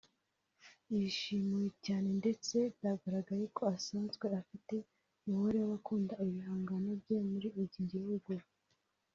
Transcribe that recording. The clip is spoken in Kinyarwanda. yishimiwe cyane ndetse byagaragaye ko asanzwe afite umubare w’abakunda ibihangano bye muri iki gihugu